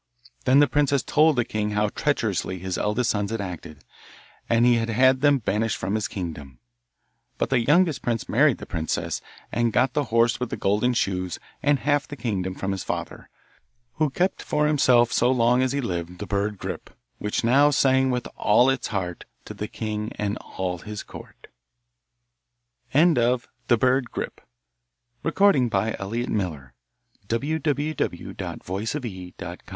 Then the princess told the king how treacherously his eldest sons had acted, and he had them banished from his kingdom; but the youngest prince married the princess, and got the horse with the golden shoes and half the kingdom from his father, who kept for himself so long as he lived the bird Grip, which now sang with all its heart to the king and all his court. Snowflake Slavonic story. Contes Populaires Slaves, traduits par Louis Leger. Pari